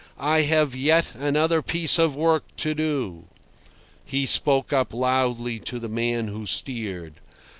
I—I have yet another piece of work to do." He spoke up loudly to the man who steered.